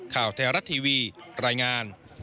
ข่าวไทยรัฐทีวีรายงาน